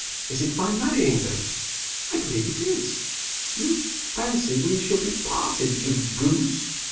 Is it my marrying, then? I believe it is! You fancy we shall be parted, you goose?